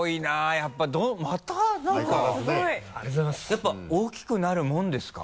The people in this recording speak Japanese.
やっぱ大きくなるもんですか？